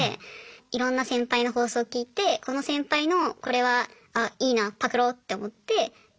いろんな先輩の放送聞いてこの先輩のこれはあいいなパクろうって思ってあ